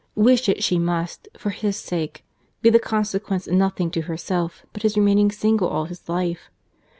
—Wish it she must, for his sake—be the consequence nothing to herself, but his remaining single all his life.